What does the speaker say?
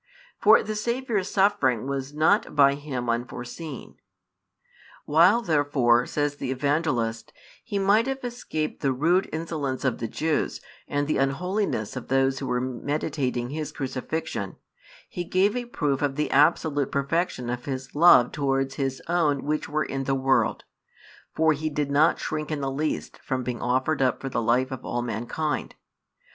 For the Saviour's suffering was not by Him unforeseen. While therefore, says the Evangelist, He might have escaped the rude insolence of the Jews and the unholiness of those who were meditating His Crucifixion, He gave a proof of the absolute perfection of His love towards His own which were in the world; for He did not shrink in the least from being offered up for the life of all mankind.